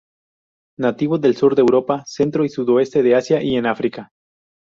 Nativo del sur de Europa, centro y sudoeste de Asia y en África.